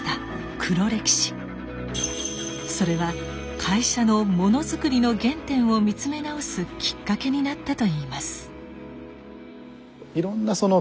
それは会社のものづくりの原点を見つめ直すきっかけになったといいます。